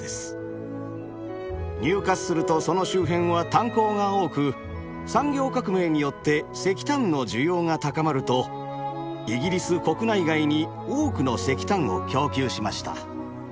ニューカッスルとその周辺は炭鉱が多く産業革命によって石炭の需要が高まるとイギリス国内外に多くの石炭を供給しました。